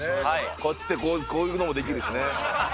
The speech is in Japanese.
こうやってこういうのもできるしね。